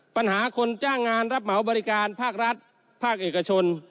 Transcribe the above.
ปัญหาคนจ้างงานรับเหมาบริการภาครัฐภาคเอกชน